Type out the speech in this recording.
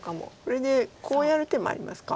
これでこうやる手もありますか。